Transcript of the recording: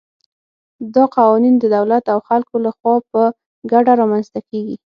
دا قوانین د دولت او خلکو له خوا په ګډه رامنځته کېږي.